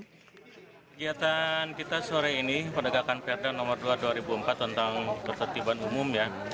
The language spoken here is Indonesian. kegiatan kita sore ini penegakan perda nomor dua dua ribu empat tentang ketertiban umum ya